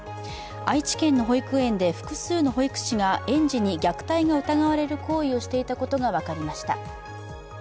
愛知県の保育園で複数の保育士が園児に虐待が疑われる行為をしていたことが分かりました。